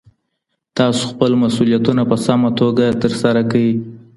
تاسو خپل مسؤلیتونه په سمه توګه ترسره کړئ.